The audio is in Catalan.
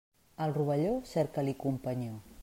Al rovelló, cerca-li companyó.